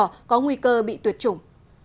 có nguy cơ bị tuyệt chủng